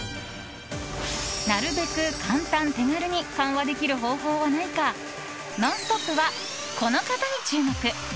なるべく簡単、手軽に緩和できる方法はないか「ノンストップ！」はこの方に注目。